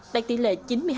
tại tỷ lệ chín mươi hai